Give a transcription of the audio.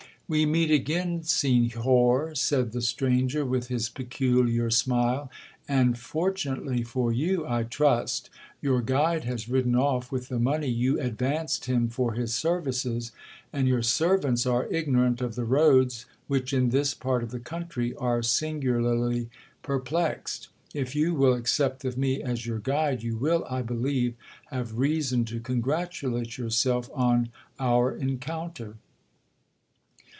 'We meet again, Senhor,' said the stranger, with his peculiar smile, 'and fortunately for you, I trust. Your guide has ridden off with the money you advanced him for his services, and your servants are ignorant of the roads, which, in this part of the country, are singularly perplexed. If you will accept of me as your guide, you will, I believe, have reason to congratulate yourself on our encounter.'